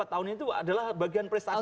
empat tahun ini adalah bagian prestasi itu